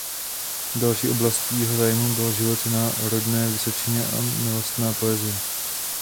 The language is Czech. Další oblastí jeho zájmu byl život na rodné Vysočině a milostná poezie.